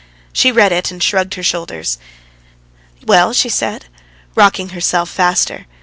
She read it and shrugged her shoulders. "Well?" she said, rocking herself faster.